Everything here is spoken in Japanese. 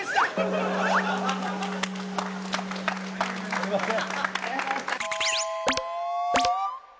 すみません。